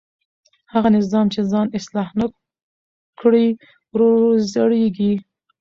هغه نظام چې ځان اصلاح نه کړي ورو ورو زړېږي